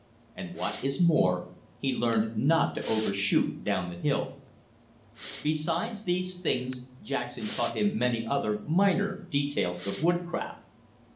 And, what is more, he learned not to over shoot down hill. Besides these things Jackson taught him many other, minor, details of woodcraft.